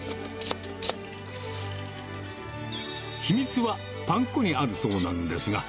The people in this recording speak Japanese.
秘密はパン粉にあるそうなんです